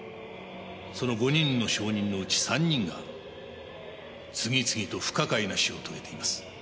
その５人の証人のうち３人が次々と不可解な死を遂げています。